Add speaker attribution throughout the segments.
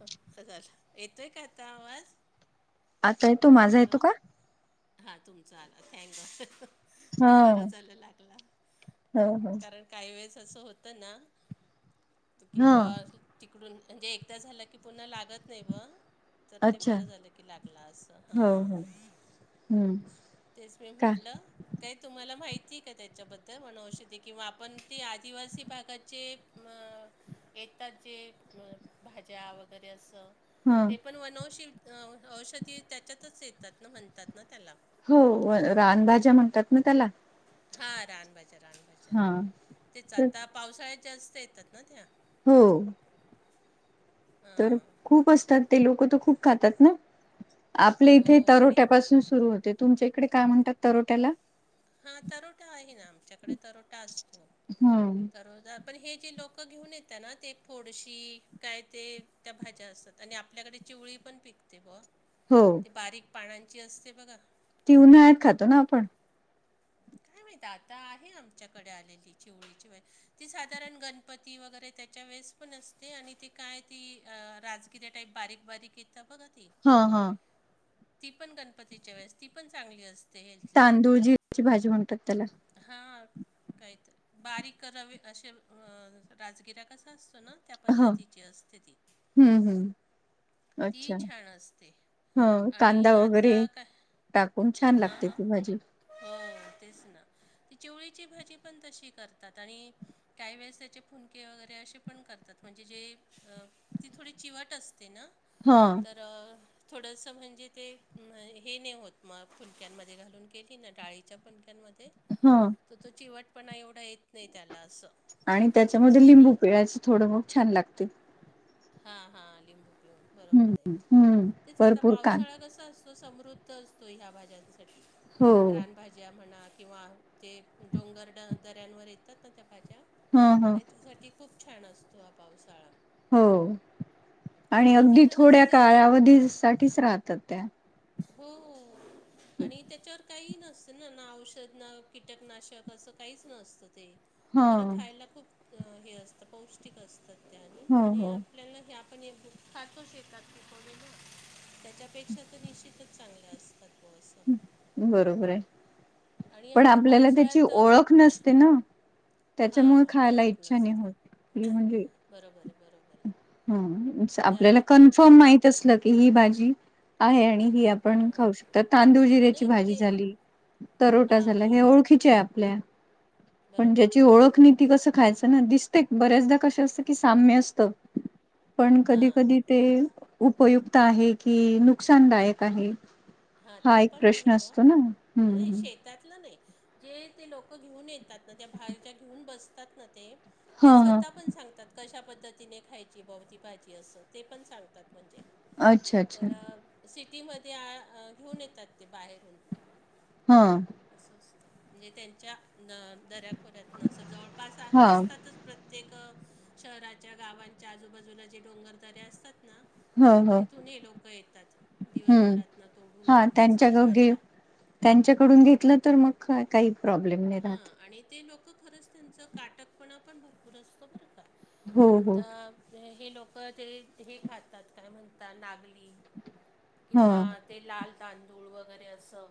Speaker 1: हो झाला येतोय का आता आवाज
Speaker 2: आताय तो माझा येतो का
Speaker 1: हा तुमचं आलं
Speaker 2: हा
Speaker 1: थँक बरं झालं लागला
Speaker 2: हो हो
Speaker 1: कारण काही वेळेस असं होत ना की
Speaker 2: हा
Speaker 1: ब तिकडून म्हणजे एकदा झालं की पुन्हा लागत नाही ब तर ते
Speaker 2: अच्छा
Speaker 1: बरं झालं की लागला असं हा
Speaker 2: हो हो. हम्म
Speaker 1: तेच मी
Speaker 2: का
Speaker 1: म्हटलं काय तुम्हाला माहिती आहे का त्याच्याबद्दल म्हण औषधी किंवा आपण ते आदिवासी भागाचे मग येतात जे भाज्या वगैरे असं
Speaker 2: हा
Speaker 1: ते पण वनौष औषधी त्याच्यातच येतात ना म्हणतात ना त्याला
Speaker 2: हो रानभाज्या म्हणतात ना त्याला
Speaker 1: हा रानबाज्या रानबाज्या
Speaker 2: हा
Speaker 1: तेच
Speaker 2: तर
Speaker 1: आता पावसाळ्यात जास्त येतात ना त्या
Speaker 2: हो तर
Speaker 1: हां
Speaker 2: खूप असतात ते लोक तर खूप खातात ना आपले इथे
Speaker 1: हो आणि
Speaker 2: तरोट्यापासून सुरू होते तुमच्या इकडे काय म्हणतात तरोट्याला
Speaker 1: हा तरोटा आहे ना आमच्याकडे तरोटा असतो
Speaker 2: हम्म.
Speaker 1: तररोजा पण हे जे लोक घेऊन येतात ना ते थोडशी काय ते त्या भाज्या असतात आणि आपल्याकडे चिवळी पण पिकते ब
Speaker 2: हो
Speaker 1: ते बारीक पानांची असते बघा
Speaker 2: ती उन्हाळ्यात खातो ना आपण
Speaker 1: काय माहिती आता आहे आमच्याकडे आलेली चिवळीची व ती साधारण गणपती वगैरे त्याच्या वेळेस पण असते आणि त काय त किती टाप बारीक बारीक येतता बघ ती
Speaker 2: हा हा
Speaker 1: ती पण गणपतीच्या वेळेस ती पण चांगली असते
Speaker 2: तांदूळ जीची भाजी म्हणतात त्याला
Speaker 1: हा काहीत बारीक रवे असे राजगिरा कसा असतो त्या
Speaker 2: हा.
Speaker 1: पद्धतीची असते ती
Speaker 2: हम्म हम्म
Speaker 1: ती छान असते
Speaker 2: हं कांदा
Speaker 1: आणि
Speaker 2: वगैरे
Speaker 1: आता काय
Speaker 2: टाकून छान
Speaker 1: हां
Speaker 2: लागते
Speaker 1: हां
Speaker 2: ती भाजी
Speaker 1: हो तेच ना त चिवळीची भाजी पण तशी करतात आणि काही वेळेस त्याचे फुनके वगैरे असे पण करतात म्हणजे जे ती थोडी चिवट असते ना
Speaker 2: हा
Speaker 1: तर थोडंसं म्हणजे ते हे नाही होत मग फुलक्यांमध्ये घालून केली ना डाळीच्या बनक्यांमध्ये
Speaker 2: हा
Speaker 1: तर तो चिवटपणा एवढा येत नाही त्याला असं
Speaker 2: आणि त्याच्यामध्ये
Speaker 1: आणि
Speaker 2: लिंबू पिळायचं थोडं मग छान लागते
Speaker 1: हा हा लिंबू पिळून बरोबर आहे
Speaker 2: हम्म. हम्म
Speaker 1: तेच आता
Speaker 2: भरपूर कान
Speaker 1: पावसाळा कसा असतो तो समृद्ध असतो ह्या भाज्यांसाठी
Speaker 2: हो
Speaker 1: रानभज्या भाज्या म्हणा किंवा ते डोंगर दऱ्यांवर येतात ना त्या भाज्या
Speaker 2: ह ह
Speaker 1: त्याच्यासाठी खूप छान असतो हा पावसाळा
Speaker 2: हो आणि अगदी
Speaker 1: तिथं कसं
Speaker 2: थोड्या
Speaker 1: ते
Speaker 2: काळवधी साठीच राहतात त्या
Speaker 1: हो आणि त्याच्यावर काही नसतं ना ना औषध ना कीटकनाशक असं काहीच नसतं ते
Speaker 2: ह
Speaker 1: खरं खायला खूप हे असतं पौष्टिक असतात त्या
Speaker 2: हो
Speaker 1: आणि
Speaker 2: हो.
Speaker 1: आणि आपल्याला हे आपण हे बुक खातोच येतात तेथडेल त्याच्यापेक्षा तर निश्चितच चांगले असतात बो असं
Speaker 2: बरोबर आहे
Speaker 1: आणि
Speaker 2: पण
Speaker 1: आता
Speaker 2: आपल्याला त्याची
Speaker 1: पावसाळ्यात
Speaker 2: ओळख नसते ना
Speaker 1: हां
Speaker 2: त्याच्यामुळे
Speaker 1: हां
Speaker 2: खायला
Speaker 1: ओळख
Speaker 2: इच्छा नाही
Speaker 1: नसते
Speaker 2: होत त म्हणजे
Speaker 1: बरोबर आहे बरोबर आहे ते
Speaker 2: आपल्याला
Speaker 1: आता ते कां
Speaker 2: कन्फर्म माहित असलं की ही भाजी आहे आणि ह पण
Speaker 1: हां
Speaker 2: खाऊ शकतात तांदूळ जिऱ्या ची
Speaker 1: नाही
Speaker 2: भाजी
Speaker 1: ते
Speaker 2: झाली तारोटा
Speaker 1: हां
Speaker 2: झाले हे
Speaker 1: हां
Speaker 2: ओडख जे आपल्या पण
Speaker 1: बरोबर
Speaker 2: ज्याची
Speaker 1: आहे
Speaker 2: ओळख नाय ती
Speaker 1: बरोबर
Speaker 2: कस
Speaker 1: आहे
Speaker 2: खायच ना दिस बऱ्याचदा कशं असतं की साम्य असतं पण कधी कधी
Speaker 1: हां
Speaker 2: ते उपयुक्त आहे कि नुकसानदायक आहे
Speaker 1: हां
Speaker 2: हा
Speaker 1: ते
Speaker 2: एक प्रश्न असतो ना हम्म
Speaker 1: त्याल नाही जे ते लोक घेऊन येतात ना त्या बाहेर घेऊन बसतात ना ते ते
Speaker 2: हा हा
Speaker 1: स्वतः पण सांगतात कशा पद्धतीने खायची बवती भाजी असं ते पण सांगतात म्हणजे
Speaker 2: अच्छा अच्छा
Speaker 1: तर सिटीमध्ये घेऊन येतात ते बाहेरून
Speaker 2: हा
Speaker 1: असं असतं म्हणजे त्यांच्या दऱ्याखोऱ्यातन असं जवळपास
Speaker 2: हा
Speaker 1: असतातच प्रत्य ते का शहराच्या गावांच्या आजूबाजूला जे डोंगरदऱे असतात ना
Speaker 2: ह ह
Speaker 1: तिथून हे लोक येतात
Speaker 2: हम्म
Speaker 1: दिवसभरात न
Speaker 2: हा त्यांच्या ग घे त्यांच्याकडून घेतलं तर मग का काही प्रॉब्लेम नाही राहत
Speaker 1: हां आणि ते लोकं खरंच त्यांचं काटकपणा पण भरपूर असतं बरं का
Speaker 2: हो हो
Speaker 1: आता हे लोक ते हे खातात काय म्हणतात नागली
Speaker 2: हा
Speaker 1: किंवा ते लाल तांदूळ वगैरे असं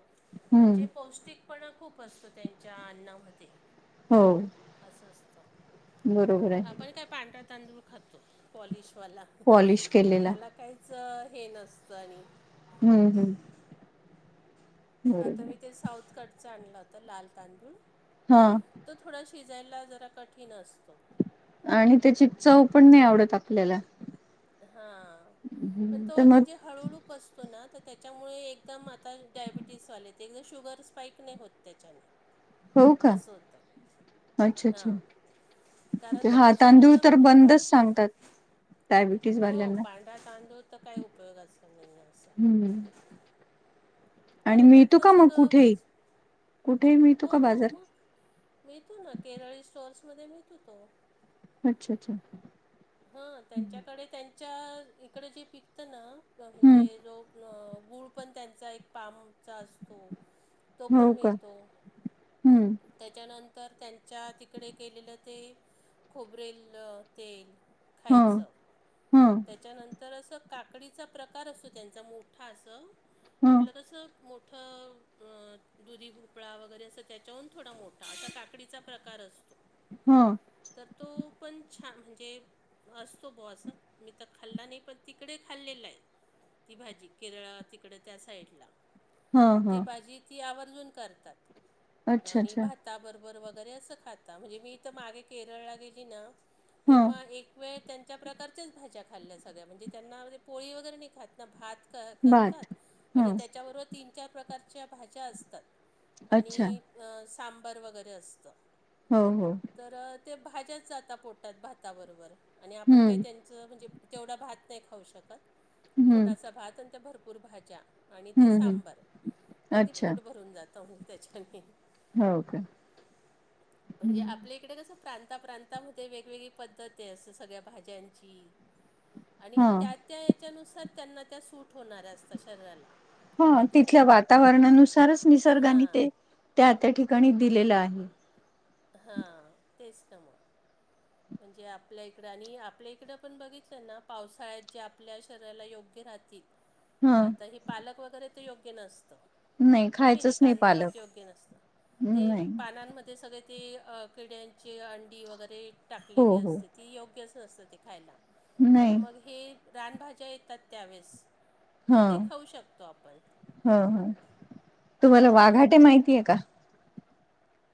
Speaker 2: हम्म
Speaker 1: म्हणजे पौष्टिकपणा खूप असतं त्यां ज्या आडनाव होते
Speaker 2: हो
Speaker 1: अस असत
Speaker 2: बरोबर
Speaker 1: बग
Speaker 2: आहे
Speaker 1: आपण काय पांढरा तांदूळ खातो त पॉलिशवाला
Speaker 2: पॉलिश केलेला
Speaker 1: त्याला काहीच हे नसतं आणि
Speaker 2: हम्म
Speaker 1: आता
Speaker 2: बरोबर
Speaker 1: मी ते साऊथ कडच आणलं होता लाल तांदूळ
Speaker 2: हा
Speaker 1: तो थोडा शिजायला जरा कठीण असतो
Speaker 2: आणि त्याची चव पण नाही आवडत आपल्याला
Speaker 1: हा पण
Speaker 2: तर
Speaker 1: तो
Speaker 2: मग
Speaker 1: म्हणजे हळूळू खूप असतो ना तर त्याच्यामुळे एकदम आता डायबिटीस वाले ते एकदम शुगर स्पाईक नाही होत त्याच्याने
Speaker 2: हो का?
Speaker 1: असं होतं
Speaker 2: अच्छा! अच्छा!
Speaker 1: हां कारण तो
Speaker 2: हा
Speaker 1: पचायला
Speaker 2: तांदूळ तर बंदच सांगतात डायबिटीज
Speaker 1: होय
Speaker 2: वाल्यांना
Speaker 1: पांढरा तांदूळ तर काही उपयोगा असं नाही अस
Speaker 2: हम्म आणि
Speaker 1: कारण
Speaker 2: मिळतो
Speaker 1: त्यातलं
Speaker 2: का मग
Speaker 1: सगळं
Speaker 2: कुठेही
Speaker 1: वरच
Speaker 2: कुठेही मिळतो
Speaker 1: हो
Speaker 2: का
Speaker 1: हो
Speaker 2: बाजार
Speaker 1: मग मिळतो ना केरळी स्टोअर्समध्ये मिळतो तो
Speaker 2: अच्छा! अच्छा!
Speaker 1: ह त्यांच्याकडे त्यांच्या इकडे जे पिकतं ना
Speaker 2: हम्म
Speaker 1: म्हणजे जो गूळ पण त्यांचा एक पामचा असतो तो पण
Speaker 2: हो का
Speaker 1: मिळतो
Speaker 2: हम्म
Speaker 1: त्याच्यानंतर त्यांच्या तिकडे केलेलं ते खोबरेल तेल
Speaker 2: हा
Speaker 1: खायचं
Speaker 2: हा
Speaker 1: त्याच्यानंतर तर असं काकडीचा प्रकार असतो त्यांचा मोठा असं
Speaker 2: हा
Speaker 1: आपलं कसं मोठं दुधी भोपळा वगैरे असं त्याच्याहून थोडा मोठा त्या त्या काकडीचा प्रकार असतो.
Speaker 2: हं..
Speaker 1: तर तो पण छान म्हणजे असतो बा असं मी तर खाल्ला नाही पण तिकडे खाल्लेला आहे ती भाजी केरळ तिकड त्या साईड
Speaker 2: हा
Speaker 1: ती
Speaker 2: हा
Speaker 1: भाजी तीआवर्जून करतात
Speaker 2: अच्छा
Speaker 1: आणि
Speaker 2: अच्छा
Speaker 1: भा ता बरोबर वगैरे असं खाता म्हणजे मी तर मागे केरळला गेली ना
Speaker 2: हा
Speaker 1: तेव्हा एक वेळ त्यांच्या प्रकारच्याच भाज्या खाल्ल्या सगळ्या म्हणजे त्यांना पोळी वगैरे नाही खात भात करतात
Speaker 2: भात हा
Speaker 1: आणि त्याच्याबरोबर तीन चार प्रकारच्या भाज्या असतात
Speaker 2: अच्छा
Speaker 1: आणि सांबर वगैरे असतं
Speaker 2: हो हो
Speaker 1: तर ते भाज्याच जाता पोटतात भाताबरोबर आणि आपण काही
Speaker 2: हम्म
Speaker 1: त्यां म्हणजे तेवढा भात नाही खाऊ शकत
Speaker 2: हम्म
Speaker 1: थोडासा भात आणि त्या भरपूर भाज्या आणि ते
Speaker 2: हम्म हम्म
Speaker 1: सांबार अगदी
Speaker 2: अच्छा
Speaker 1: पोट भरून जातं म्हणजे त्याच्याने
Speaker 2: हो का
Speaker 1: म्हणजे आपल्या इकडे कसं प्रांता प्रांता आतामध्ये वेगवेगळी पद्धती असतं सगळ्या भाज्यांची आणि
Speaker 2: हा
Speaker 1: त्यात त्या याच्यानुसार त्यांना त्या सूट होणाऱ्या असतात शरीराला
Speaker 2: हा
Speaker 1: हो की नाही
Speaker 2: तिथल्या वातावरणानुसारच निसर्गाने
Speaker 1: हां
Speaker 2: ते त्या त्या ठिकाणी दिलेलं आहे.
Speaker 1: हा तेच ना मग म्हणजे आपल्या इकडं आणि आपल्या इकडं पण बघितलं ना पावसाळ्यात जे आपल्या शरीराला योग्य राहतील.
Speaker 2: [inaudible]
Speaker 1: आता हे पालक वगैरे तर योग्य नसतं.
Speaker 2: नाही
Speaker 1: हो की नाही
Speaker 2: खायचंच
Speaker 1: कांदापात
Speaker 2: पालक
Speaker 1: योग्य नसत ते
Speaker 2: नाही
Speaker 1: पानामध्ये सगळे ते किड्यांची अंडी वगैरे
Speaker 2: हो
Speaker 1: टाकलेली
Speaker 2: हो
Speaker 1: असते. ती योग्यच नसतं ते खायला पण
Speaker 2: नाही
Speaker 1: मग हे रानभाज्या येतात त्यावेेळेस मग
Speaker 2: हा
Speaker 1: ते खाऊ शकतो आपण.
Speaker 2: हा हा तुम्हाला
Speaker 1: असं असतं
Speaker 2: वाघाटे माहितीय का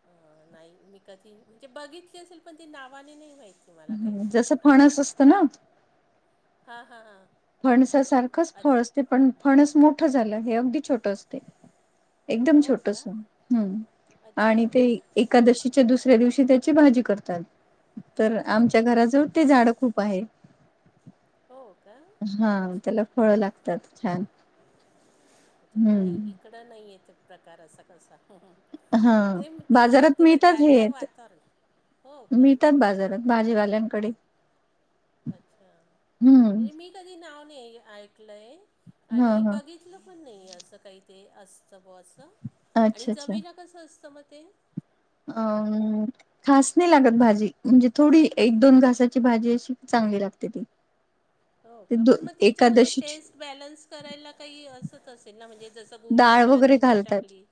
Speaker 1: अ नाही मी कधी म्हणजे बघितली असेल पण ती नावाने नाही माहिती मला काही
Speaker 2: हम् जसं फणस असतं ना
Speaker 1: हा हा हा
Speaker 2: फणसासारखंच फळ असते पण फणस मोठं झालं हे अगदी छोट असते एकदम
Speaker 1: हो
Speaker 2: छोटस
Speaker 1: का
Speaker 2: हम्
Speaker 1: अच्छा
Speaker 2: आणि ते एकादशीच्या दुसऱ्या दिवशी त्याची भाजी करतात तर
Speaker 1: हां
Speaker 2: आमच्या घराजवळ ते झाड खूप पा आहे
Speaker 1: हो का?
Speaker 2: हा
Speaker 1: अच्छा
Speaker 2: त्याला फळं लागतात छान
Speaker 1: े नाही
Speaker 2: हम्म
Speaker 1: इकडं नाही आहेेत प्रकार असा कसा
Speaker 2: हा
Speaker 1: ते तेच
Speaker 2: बाजारात
Speaker 1: म्हणते ना
Speaker 2: मिळतात
Speaker 1: त्या
Speaker 2: हे
Speaker 1: त्या वातावरण हो का
Speaker 2: मिळतात बाजारात भाजीवाल्यांकडे
Speaker 1: अच्छा
Speaker 2: हम्म
Speaker 1: ते मी कधी नाव नाही ऐकलंय
Speaker 2: हा
Speaker 1: आणि
Speaker 2: हा
Speaker 1: बघि लं पण नाही असं काही ते असतं ब असं आणि
Speaker 2: अच्छा अच्छा
Speaker 1: चवीला कस असतं मग ते
Speaker 2: अ खास नाही लागत भाजी म्हणजे थोडी एक दोन घासाची भाजी अशी चांगली लागते ती
Speaker 1: हो
Speaker 2: ते
Speaker 1: का
Speaker 2: दो
Speaker 1: पण मग तिच्यामध्ये
Speaker 2: एकादशीची
Speaker 1: टेस्ट बॅलन्स करायला काही असत असेल ना म्हणजे जस गूळ
Speaker 2: डाळ
Speaker 1: टाकला
Speaker 2: वगैरे
Speaker 1: चिंच
Speaker 2: घालतात
Speaker 1: टाकली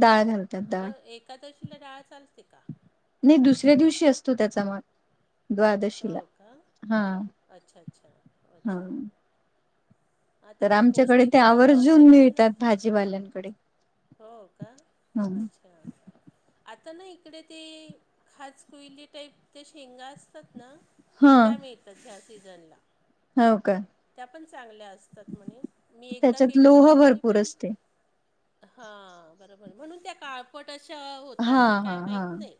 Speaker 2: डाळ घालतात डाळ
Speaker 1: ब एकादशीला डाळ चालते का
Speaker 2: नाही दुसऱ्या दिवशी असतो त्याचा मन द्वादशीला
Speaker 1: हो का
Speaker 2: हा
Speaker 1: अच्छा अच्छा
Speaker 2: हा
Speaker 1: ह
Speaker 2: तर
Speaker 1: त्याच्यात
Speaker 2: आमच्याकडे ते
Speaker 1: पौष्टिकपणा आता
Speaker 2: आवर्जून
Speaker 1: असेलच ना
Speaker 2: मिळतात भाजीवाल्यांकडे
Speaker 1: हो का
Speaker 2: हं.
Speaker 1: अच्छा अच् आता ना इकडे ते खाज कुईली टाईपच्या शेंगा असतात ना त्या मिळतात ह्या सीजनला
Speaker 2: हाव काय
Speaker 1: त्या पण चांगल्या असतात म्हणे मी एकदा
Speaker 2: त्याच्यात
Speaker 1: केली होती
Speaker 2: लोह
Speaker 1: भाजी
Speaker 2: भरपूर
Speaker 1: पण
Speaker 2: असते
Speaker 1: हा बरोबर म्हणून त्या काळ पट अशा होतात
Speaker 2: हा
Speaker 1: की काय माहीत नाही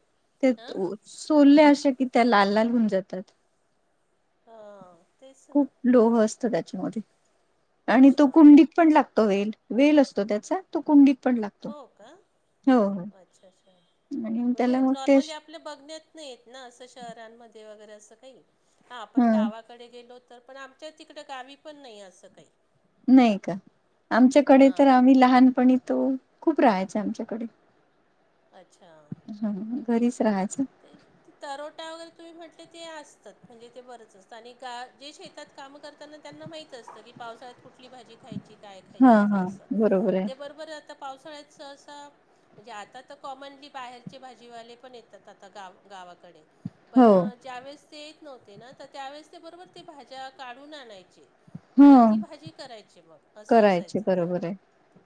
Speaker 1: हं
Speaker 2: सोोलल्या अशा की त्या लाल लाल होऊन जातात
Speaker 1: हां तेच ना
Speaker 2: खूप लोह असत त्याच्यामध्ये आणि तो
Speaker 1: अच्छा
Speaker 2: कुंडी पण लागतो वेल वेल असतो त्याचा तो कुंडीत पण लागतो
Speaker 1: हो का
Speaker 2: हो हो
Speaker 1: अच्छा अच्छा
Speaker 2: आणि
Speaker 1: म्हणजे
Speaker 2: त्याला मग ते
Speaker 1: नॉर्मली आप आपल्या बघण्यात नाही येत ना असं शहरांमध्ये वगैरे असं काही हा
Speaker 2: ह
Speaker 1: आपण गावाकडे गेलो तर पण आमच्या तिकडं गावी पण नाही असं काही
Speaker 2: नाही का आमच्याकडे
Speaker 1: हां
Speaker 2: तर
Speaker 1: हां
Speaker 2: आम्ही लहानपणी तो खूप राहायचा आमच्याकडे
Speaker 1: अच्छा
Speaker 2: हा घरीच राहायचं
Speaker 1: ते ती तरोटा वगैरे तुम्ही म्हटले ते असतात म्हणजे ते बरंच असतं आणि गा जे शेतात काम करताना त्यांना माहित असतं की पावसा्यात कुठली भाजी खायची काय
Speaker 2: हा हा बरोबर आहे
Speaker 1: खायरोबर आ पावसाळ्यात ससा म्हणजे आता तर कॉमनली बाहेरचे भाजीवाले पण येत आ गा गावाकडे पण
Speaker 2: हो
Speaker 1: ज्यावेेळेस ते येत नव्हते ना तर त्यावेेळेस ते बरोबर ते भाज्या काढून आणायचे
Speaker 2: ह
Speaker 1: आणि ती भाजी करायची मग असं
Speaker 2: करायचे
Speaker 1: असायचं ते
Speaker 2: बरोबर आहे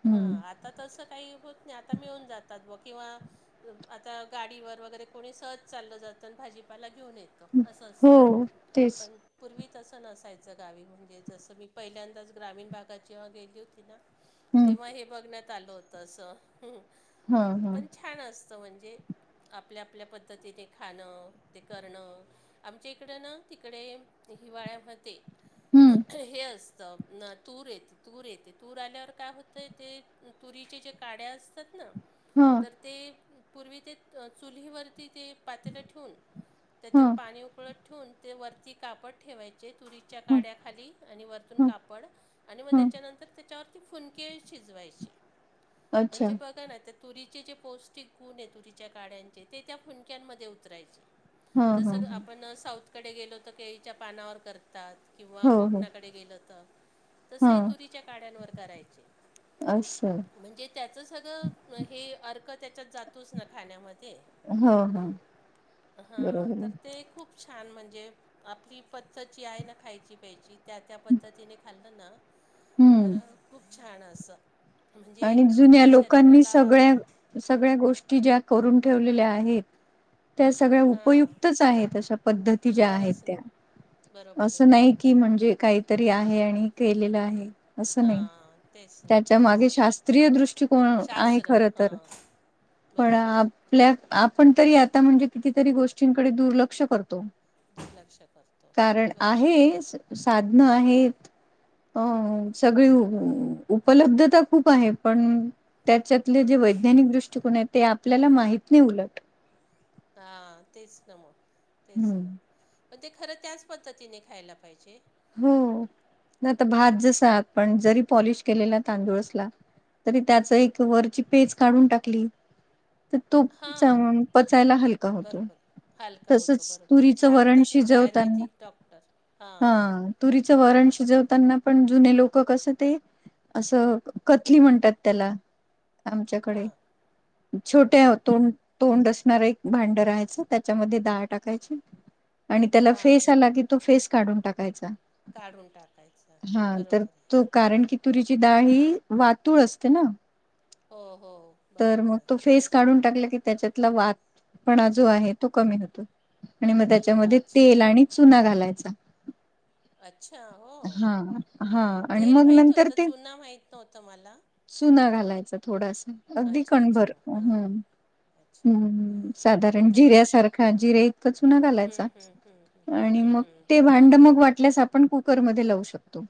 Speaker 1: ह
Speaker 2: हम्म
Speaker 1: आता आता तसं काही होत नाही आता मिळून जातात व किंवा आता गाडीवर वगैरे कोणी सहज चाललं जातं भाजीपाला घेऊन येतं असं असतं
Speaker 2: हो तेच
Speaker 1: पण पूर्वी तसं नसायचं गावी म्हणजे जसं मी पहिल्यांदाच ग्रामीण भागात जेव्हा गेली होती ना
Speaker 2: हम्म
Speaker 1: तेव्हा हे बघण्यात आलं होत असं
Speaker 2: हा हा
Speaker 1: पण छान असत म्हणजे आपल्या आपल्या पद्धतीने खाणं ते करणं आमच्या इकड ना तिकडे हिवाळ्यामध्ये
Speaker 2: हम्म
Speaker 1: हे असतं तूर येते तूर येते तूर आल्यावर काय होतंय ते तुरीचे जे काड्या असतात ना
Speaker 2: हां
Speaker 1: तर ते पूर्वी ते चुलीवरती ते पातेल ठेवून
Speaker 2: हा
Speaker 1: त्याच्यात पाणी उकळत ठेवून ते वरती कापड ठेवायचे तुरीच्या
Speaker 2: ह
Speaker 1: काड्या खाली आणि वरतून
Speaker 2: ह
Speaker 1: कापड आणि मग
Speaker 2: ह
Speaker 1: त्याच्यानंतर त्याच्यावर त फुनके शिजवायचे
Speaker 2: अच्छा
Speaker 1: म्हणजे बघा ना तुरीचे जे पौष्टिक गुण आहे तुरीच्या काड्यांचे ते त्या फुणक्यांमध्ये उतरायचे
Speaker 2: हा हा
Speaker 1: जसं आपण साऊथकडे गेलो तर केळीच्या पानावर करतात. किंवा
Speaker 2: हो हो
Speaker 1: कोकणाकडे गेलं तर, तसं
Speaker 2: हा
Speaker 1: हे तुरीच्या काड्यांवर करायचे.
Speaker 2: असं.
Speaker 1: म्हणजे त्याचं सगळं हे अर्क त्याच्यात जातोच ना खाण्यामध्ये.
Speaker 2: हो हो
Speaker 1: हा
Speaker 2: बरोबर आहे
Speaker 1: तर ते खूप छान म्हणजे आपली पद्धत जी आहे ना खायची प्यायची त्या त्या पद्धतीने खाल्लं ना
Speaker 2: हम्म
Speaker 1: तर खूप छान असं म्हणजे
Speaker 2: आणि जुन्या
Speaker 1: जे
Speaker 2: लोकांनी
Speaker 1: शरीराला
Speaker 2: सगळ्या सगळ्या गोष्टी ज्या करून ठेवलेल्या आहेत. त्या सगळ्या
Speaker 1: हां
Speaker 2: उपयुक्तच आहेत अशा पद्धती ज्या आहेत
Speaker 1: खरंच ना
Speaker 2: त्या.
Speaker 1: बरोबर आहे
Speaker 2: असं नाही की
Speaker 1: बरोबर आहे
Speaker 2: म्हणजे काहीतरी आहे आणि केलेलं आहे असं नाही.
Speaker 1: तेचं न,
Speaker 2: त्याच्या मागे
Speaker 1: तेचं
Speaker 2: शास्त्रीय दृष्टिकोन आहे खर तर
Speaker 1: हां
Speaker 2: पण
Speaker 1: बरोबर आहे
Speaker 2: आपल्या आपण तरी आता म्हणजे कितीतरी गोष्टींकडे दुर्लक्ष करतो.
Speaker 1: दुर्लक्ष करतो
Speaker 2: कारण
Speaker 1: बरोबर आहे
Speaker 2: आहेच. साधन आहेत अ सगळी उपलब्धता खूप आहे पण त्याच्यातले जे वैज्ञानिक दृष्टिकोन आहे ते आपल्याला माहित नाही उलट.
Speaker 1: हा तेच ना मग, तेच ना.
Speaker 2: हम्म
Speaker 1: पण ते खरं त्याच पद्धतीने खायला पाहिजे.
Speaker 2: हो नाही तर भात जसा पण जरी पॉलिश केलेला तांदूळ असला तरी त्याची एक वरची पेज काढून टाकली तर तो
Speaker 1: हां
Speaker 2: पचायला हलका होतो
Speaker 1: बरोबर आहे हलका होतो
Speaker 2: तसच
Speaker 1: बरोबर आहे
Speaker 2: तुरीचं वरण
Speaker 1: सांगतात ना ते
Speaker 2: शिजवताना
Speaker 1: आयुर्वेदिक डॉक्टर हां
Speaker 2: हा तुरीचं वरण शिजवताना पण जुने लोक कसं ते असं कथली म्हणतात त्याला आमच्याकडे.
Speaker 1: हां
Speaker 2: छोट तोंड [unintelligible] तोंड असणार एक भांड राहायचं त्याच्यामध्ये डाळ टाकायची आणि त्याला
Speaker 1: हां
Speaker 2: फेस आला की तो फेस काढून टाकायचा.
Speaker 1: काढून टाकायचा
Speaker 2: हा, तर
Speaker 1: बरोबर आहे
Speaker 2: तो कारण की तुरीची डाळ ही वातूळ असते ना.
Speaker 1: हो हो
Speaker 2: तर मग
Speaker 1: बरोबर आहे
Speaker 2: तो फेस काढून टाकला की त्याच्यातला वात पण जो आहे तो कमी होतो. आणि मग त्या त्याच्यामध्ये
Speaker 1: अच्छा
Speaker 2: तेल आणि चुना घालायचा.
Speaker 1: अच्छा! हो
Speaker 2: हा हा आणि
Speaker 1: तेल
Speaker 2: मग
Speaker 1: माहीत
Speaker 2: नंतर
Speaker 1: होतं
Speaker 2: ते
Speaker 1: चुना माहीत नव्हतं मला.
Speaker 2: चुना घालायचा थोडासा अगदी
Speaker 1: अच्छा
Speaker 2: कणभर,
Speaker 1: अच्छा हां हां
Speaker 2: हम्
Speaker 1: अच्छा
Speaker 2: हम्म,
Speaker 1: बरं
Speaker 2: साधारण
Speaker 1: ताई
Speaker 2: जिऱ्यासारखा जिर्या इतकां चुना
Speaker 1: हम्म,
Speaker 2: घालायचा.
Speaker 1: हम्म, हम्म,
Speaker 2: आणि
Speaker 1: हम्म,
Speaker 2: मग
Speaker 1: हम्म,
Speaker 2: भांड ते मग वाटल्यास आपण कुकरमध्ये लावू शकतो.